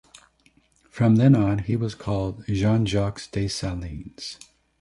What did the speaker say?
From then on he was called Jean-Jacques Dessalines.